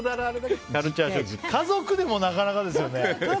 家族でもなかなかですよね。